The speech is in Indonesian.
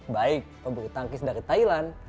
baik pembulu tangkis dari thailand